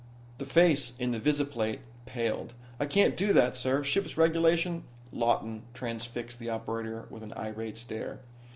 The face in the visiplate paled. "I can't do that, sir. Ship's regulations " Lawton transfixed the operator with an irate stare.